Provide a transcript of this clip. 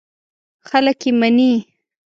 خلک یې مني.